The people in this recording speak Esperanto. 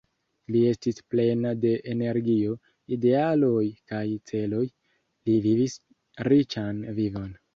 Li estis plena de energio, idealoj kaj celoj, li vivis riĉan vivon.